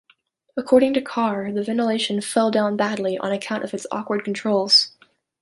According to "Car" the ventilation "fell down badly" on account of its awkward controls.